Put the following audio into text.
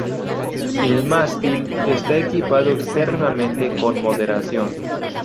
El mástil está equipado externamente con moderación.